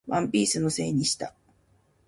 ワンピースのせいにした